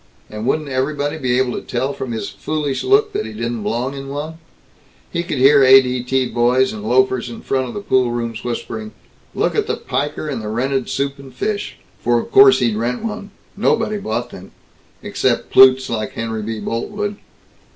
And wouldn't everybody be able to tell from his foolish look that he didn't belong in one?" He could hear A.D.T. boys and loafers in front of pool rooms whispering, "Look at the piker in the rented soup and fish!" For of course he'd rent one. Nobody bought them except plutes like Henry B. Boltwood.